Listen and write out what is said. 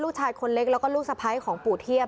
ลูกชายคนเล็กแล้วก็ลูกสะพ้ายของปู่เทียบ